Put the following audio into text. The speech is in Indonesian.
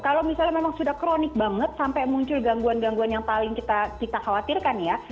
kalau misalnya memang sudah kronik banget sampai muncul gangguan gangguan yang paling kita khawatirkan ya